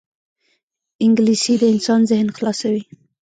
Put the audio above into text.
انګلیسي د انسان ذهن خلاصوي